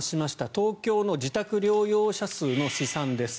東京の自宅療養者数の試算です。